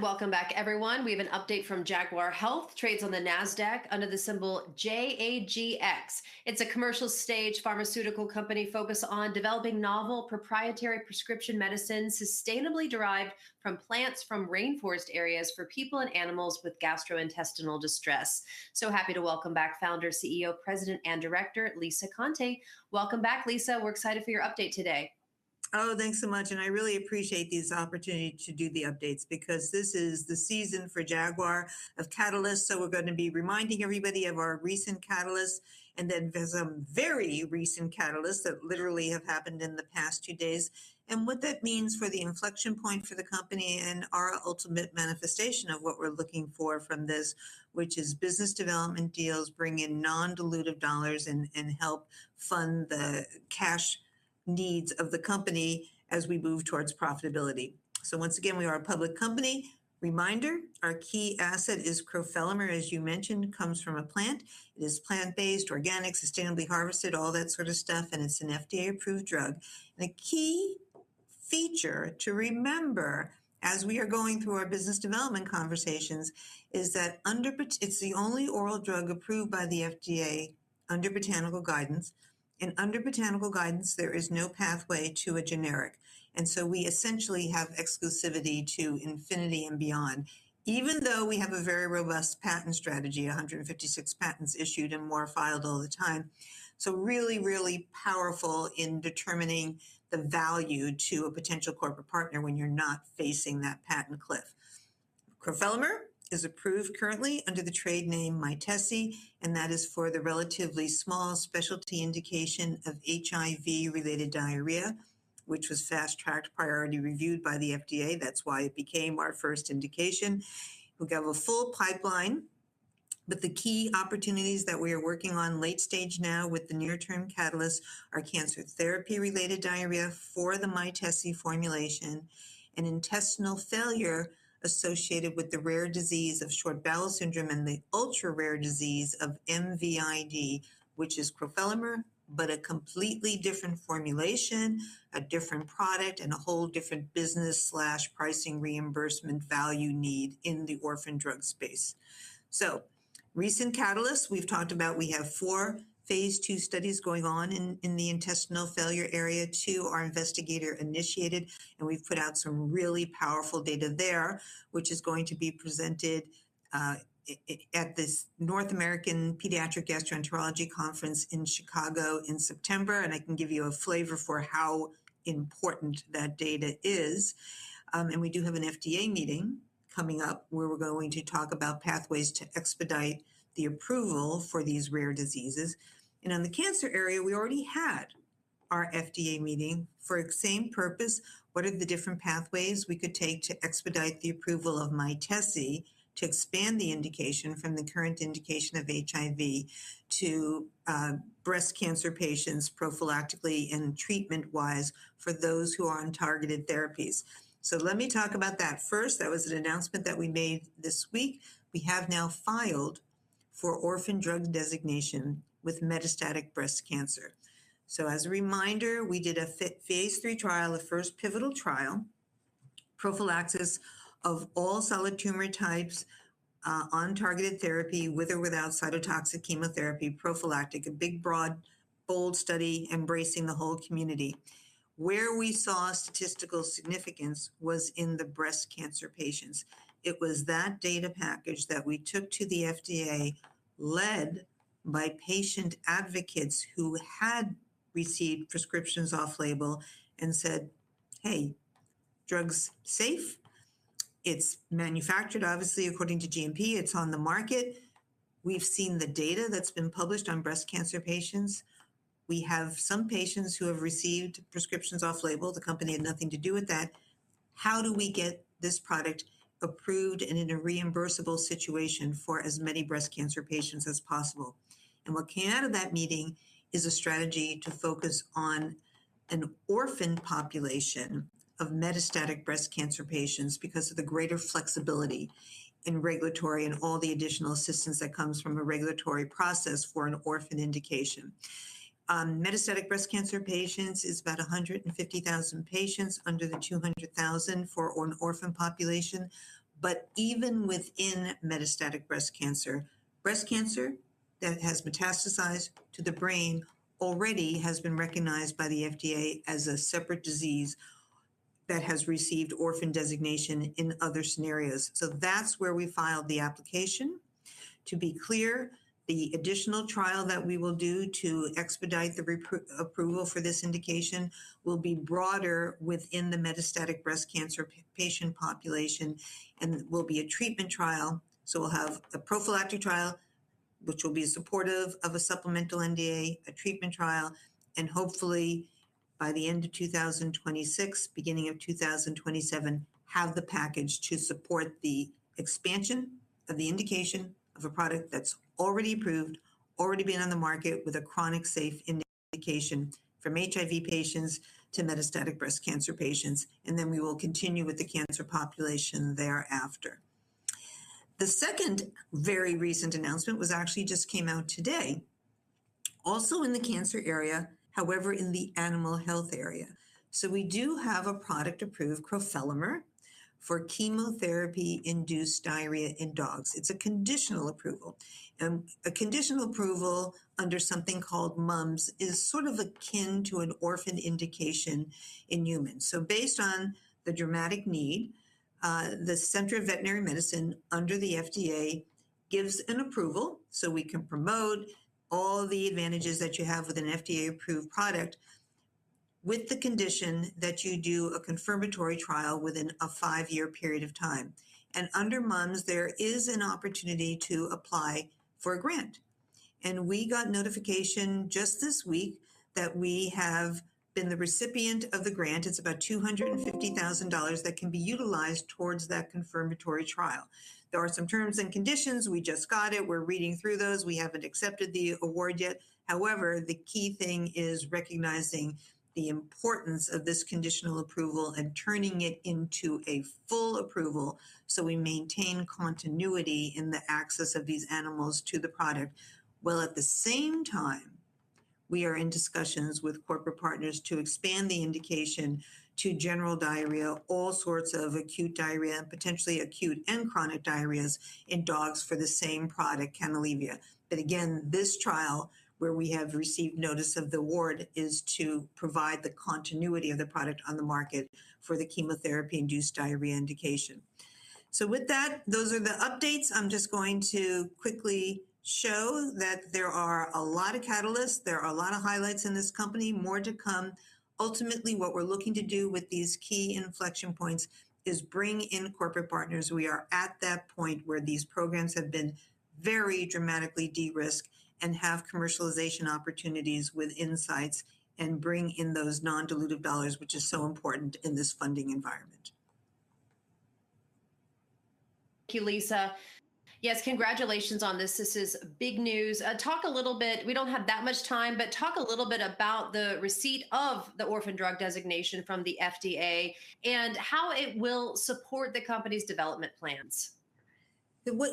Welcome back, everyone. We have an update from Jaguar Health. Trades on the Nasdaq under the symbol JAGX. It's a commercial-stage pharmaceutical company focused on developing novel proprietary prescription medicines sustainably derived from plants from rainforest areas for people and animals with gastrointestinal distress. Happy to welcome back Founder, CEO, President, and Director Lisa Conte. Welcome back, Lisa. We're excited for your update today. Oh, thanks so much. And I really appreciate this opportunity to do the updates because this is the season for Jaguar of catalysts. So we're going to be reminding everybody of our recent catalysts. And then there's some very recent catalysts that literally have happened in the past two days. And what that means for the inflection point for the company and our ultimate manifestation of what we're looking for from this, which is business development deals bringing in non-dilutive dollars and help fund the cash needs of the company as we move towards profitability. So once again, we are a public company. Reminder, our key asset is crofelemer, as you mentioned, comes from a plant. It is plant-based, organic, sustainably harvested, all that sort of stuff. And it's an FDA-approved drug. The key feature to remember as we are going through our business development conversations is that it's the only oral drug approved by the FDA under botanical guidance. And under botanical guidance, there is no pathway to a generic. And so we essentially have exclusivity to infinity and beyond, even though we have a very robust patent strategy, 156 patents issued and more filed all the time. So really, really powerful in determining the value to a potential corporate partner when you're not facing that patent cliff. Crofelemer is approved currently under the trade name Mytesi, and that is for the relatively small specialty indication of HIV-related diarrhea, which was fast-tracked, priority reviewed by the FDA. That's why it became our first indication. We'll go full pipeline. But the key opportunities that we are working on late stage now with the near-term catalyst are cancer therapy-related diarrhea for the Mytesi formulation and intestinal failure associated with the rare disease of short bowel syndrome and the ultra-rare disease of MVID, which is crofelemer, but a completely different formulation, a different product, and a whole different business/pricing reimbursement value need in the orphan drug space. So recent catalysts we've talked about, we have four phase II studies going on in the intestinal failure area. Two are investigator-initiated, and we've put out some really powerful data there, which is going to be presented at this North American Pediatric Gastroenterology Conference in Chicago in September. And I can give you a flavor for how important that data is. And we do have an FDA meeting coming up where we're going to talk about pathways to expedite the approval for these rare diseases. And on the cancer area, we already had our FDA meeting for the same purpose. What are the different pathways we could take to expedite the approval of Mytesi to expand the indication from the current indication of HIV to breast cancer patients prophylactically and treatment-wise for those who are on targeted therapies? So let me talk about that first. That was an announcement that we made this week. We have now filed for orphan drug designation with metastatic breast cancer. So as a reminder, we did a phase III trial, a first pivotal trial, prophylaxis of all solid tumor types on targeted therapy with or without cytotoxic chemotherapy, prophylactic, a big broad bold study embracing the whole community. Where we saw statistical significance was in the breast cancer patients. It was that data package that we took to the FDA, led by patient advocates who had received prescriptions off-label and said, "Hey, drug's safe. It's manufactured, obviously, according to GMP. It's on the market." We've seen the data that's been published on breast cancer patients. We have some patients who have received prescriptions off-label. The company had nothing to do with that. How do we get this product approved and in a reimbursable situation for as many breast cancer patients as possible? And what came out of that meeting is a strategy to focus on an orphan population of metastatic breast cancer patients because of the greater flexibility in regulatory and all the additional assistance that comes from a regulatory process for an orphan indication. Metastatic breast cancer patients is about 150,000 patients under the 200,000 for an orphan population. But even within metastatic breast cancer, breast cancer that has metastasized to the brain already has been recognized by the FDA as a separate disease that has received orphan designation in other scenarios. So that's where we filed the application. To be clear, the additional trial that we will do to expedite the approval for this indication will be broader within the metastatic breast cancer patient population and will be a treatment trial. So we'll have a prophylactic trial, which will be supportive of a supplemental NDA, a treatment trial, and hopefully by the end of 2026, beginning of 2027, have the package to support the expansion of the indication of a product that's already approved, already been on the market with a chronic safe indication from HIV patients to metastatic breast cancer patients. And then we will continue with the cancer population thereafter. The second very recent announcement was actually just came out today, also in the cancer area, however, in the animal health area. So we do have a product approved, crofelemer, for chemotherapy-induced diarrhea in dogs. It's a conditional approval. And a conditional approval under something called MUMS is sort of akin to an orphan indication in humans. So based on the dramatic need, the Center for Veterinary Medicine under the FDA gives an approval so we can promote all the advantages that you have with an FDA-approved product with the condition that you do a confirmatory trial within a five-year period of time. And under MUMS, there is an opportunity to apply for a grant. And we got notification just this week that we have been the recipient of the grant. It's about $250,000 that can be utilized towards that confirmatory trial. There are some terms and conditions. We just got it. We're reading through those. We haven't accepted the award yet. However, the key thing is recognizing the importance of this conditional approval and turning it into a full approval so we maintain continuity in the access of these animals to the product. While at the same time, we are in discussions with corporate partners to expand the indication to general diarrhea, all sorts of acute diarrhea, and potentially acute and chronic diarrheas in dogs for the same product, Canalevia. But again, this trial where we have received notice of the award is to provide the continuity of the product on the market for the chemotherapy-induced diarrhea indication. So with that, those are the updates. I'm just going to quickly show that there are a lot of catalysts. There are a lot of highlights in this company, more to come. Ultimately, what we're looking to do with these key inflection points is bring in corporate partners. We are at that point where these programs have been very dramatically de-risked and have commercialization opportunities with insights and bring in those non-dilutive dollars, which is so important in this funding environment. Thank you, Lisa. Yes, congratulations on this. This is big news. Talk a little bit, we don't have that much time, but talk a little bit about the receipt of the orphan drug designation from the FDA and how it will support the company's development plans. What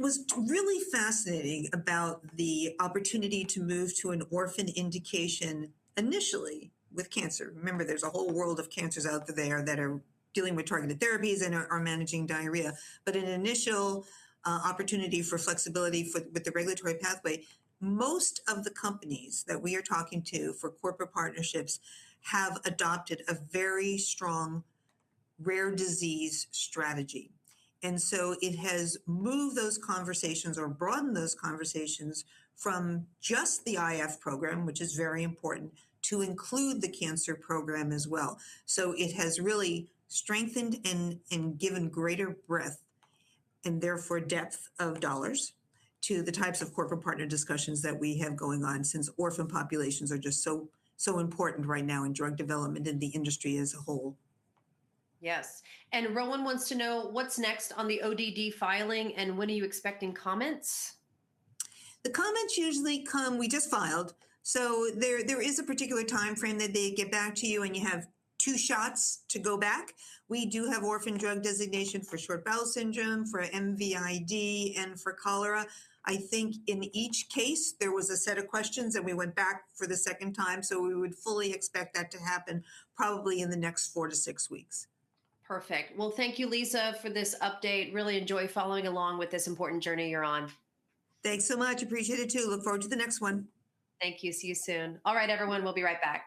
was really fascinating about the opportunity to move to an orphan indication initially with cancer, remember, there's a whole world of cancers out there that are dealing with targeted therapies and are managing diarrhea, but an initial opportunity for flexibility with the regulatory pathway. Most of the companies that we are talking to for corporate partnerships have adopted a very strong rare disease strategy, and so it has moved those conversations or broadened those conversations from just the IF program, which is very important, to include the cancer program as well, so it has really strengthened and given greater breadth and therefore depth of dollars to the types of corporate partner discussions that we have going on since orphan populations are just so important right now in drug development and the industry as a whole. Yes. And [Rohan] wants to know what's next on the ODD filing and when are you expecting comments? The comments usually come. We just filed, so there is a particular timeframe that they get back to you and you have two shots to go back. We do have orphan drug designation for short bowel syndrome, for MVID, and for cholera. I think in each case, there was a set of questions and we went back for the second time, so we would fully expect that to happen probably in the next four to six weeks. Perfect. Well, thank you, Lisa, for this update. Really enjoy following along with this important journey you're on. Thanks so much. Appreciate it too. Look forward to the next one. Thank you. See you soon. All right, everyone, we'll be right back.